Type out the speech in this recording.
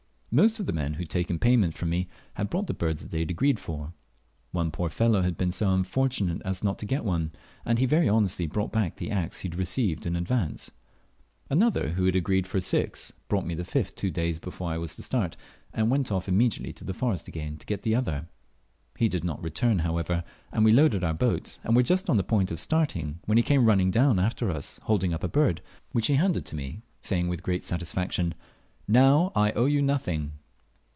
Most of the men who had taken payment from me had brought the birds they had agreed for. One poor fellow had been so unfortunate as not to get one, and he very honestly brought back the axe he had received in advance; another, who had agreed for six, brought me the fifth two days before I was to start, and went off immediately to the forest again to get the other. He did not return, however, and we loaded our boat, and were just on the point of starting, when he came running down after us holding up a bird, which he handed to me, saying with great satisfaction, "Now I owe you nothing."